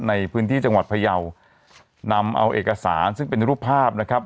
ในพื้นที่จังหวัดพยาวนำเอาเอกสารซึ่งเป็นรูปภาพนะครับ